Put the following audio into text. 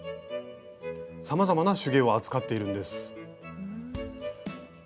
さまざまな手芸を扱っているんです。